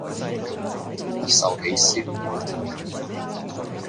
壽喜燒烏龍麵